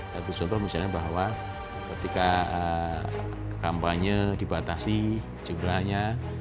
satu contoh misalnya bahwa ketika kampanye dibatasi jumlahnya